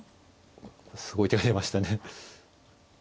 すごい手が出ましたね。